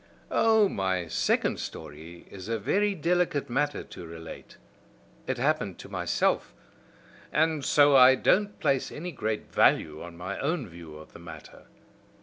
"Oh! my second story is a very delicate matter to relate. It happened to myself, and so I don't place any great value on my own view of the matter.